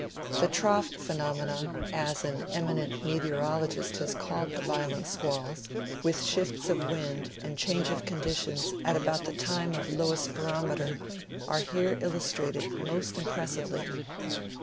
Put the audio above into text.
The " trough phenomena," as an eminent meteorologist has called the violent squalls, with shifts 54 National Geographic Magazine. of wind and change of conditions at about the time of lowest barometer, are here illustrated most impressively.